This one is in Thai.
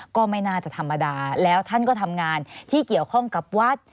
ก็ไม่น่าจะธรรมดาแล้วท่านก็ทำงานที่เกี่ยวข้องกับวัด